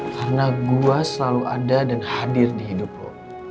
karena gue selalu ada dan hadir di hidup lo